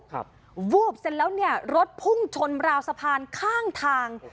วูบเสร็จแล้วเนี่ยรถพุ่งชนราวสะพานข้างทาง